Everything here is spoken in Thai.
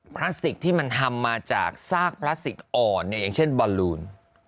พลาสติกที่มันทำมาจากซากพลาสติกอ่อนเนี่ยอย่างเช่นบอลลูน